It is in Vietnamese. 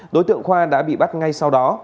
đối tượng khoa đã bị bắt ngay sau đó